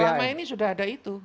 selama ini sudah ada itu